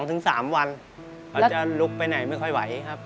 แล้วจะลุกไปไหนไม่ค่อยไหวครับ